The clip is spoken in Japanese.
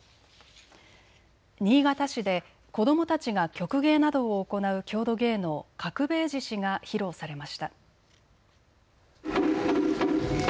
新潟市で子どもたちが曲芸などを行う郷土芸能、角兵衛獅子が披露されました。